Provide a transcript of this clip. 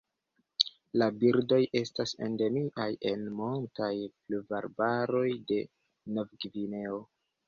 La birdoj estas endemiaj en montaj pluvarbaroj de Novgvineo.